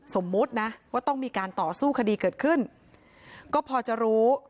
สมมุตินะว่าต้องมีการต่อสู้คดีเกิดขึ้นก็พอจะรู้